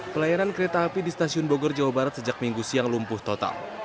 pelayanan kereta api di stasiun bogor jawa barat sejak minggu siang lumpuh total